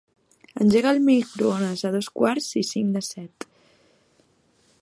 Engega el microones a dos quarts i cinc de set.